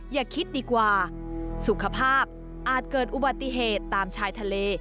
อย่าคิดดีกว่าสุขภาพอาจเกิดอุบัติเหตุตามชายทะเล